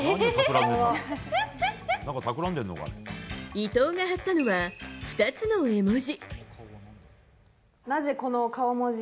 伊藤が貼ったのは２つの絵文字。